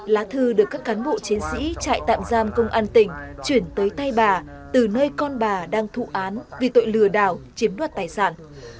lá thư được các cán bộ chiến sĩ trại tạm giam công an tỉnh chuyển tới tay bà từ nơi con bà đang thụ án vì tội lừa đảo chiếm đoạt tài sản